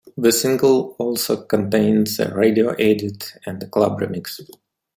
The single also contains a radio edit and a club remix.